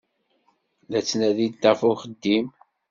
La ttnadin ɣef uxeddim.